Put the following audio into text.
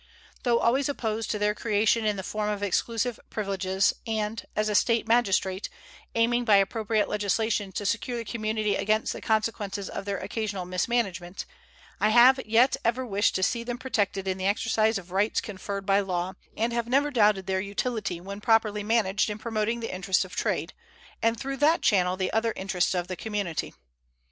Though always opposed to their creation in the form of exclusive privileges, and, as a State magistrate, aiming by appropriate legislation to secure the community against the consequences of their occasional mismanagement, I have yet ever wished to see them protected in the exercise of rights conferred by law, and have never doubted their utility when properly managed in promoting the interests of trade, and through that channel the other interests of the community.